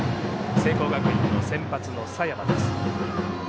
聖光学院の先発の佐山です。